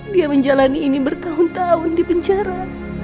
dia menjalani ini bertahun tahun di penjara